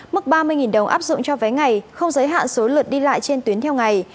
mức ba mươi đồng áp dụng cho vé ngày không giới hạn số lượt đi lại trên tuyến theo ngày